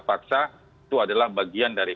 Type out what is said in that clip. paksa itu adalah bagian dari